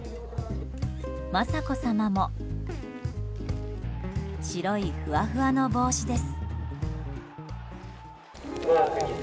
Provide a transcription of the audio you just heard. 雅子さまも白いふわふわの帽子です。